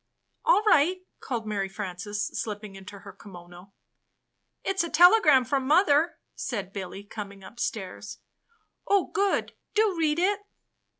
" ''All right!" called Mary Frances, slipping into her kimono. "It's a telegram from mother," said Billy, coming upstairs. "Oh, good! Do read it!"